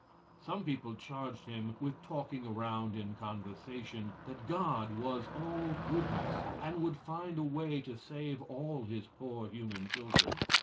Some people charged him with talking around in conversation that God was all goodness and would find a way to save all his poor human children.